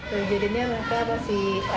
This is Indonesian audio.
kejadiannya maka masih